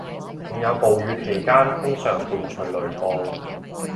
仲有暴雨期間通常伴隨雷暴